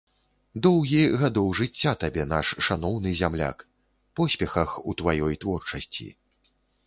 Доўгі гадоў жыцця табе, наш шаноўны зямляк, поспехах у тваёй творчасці!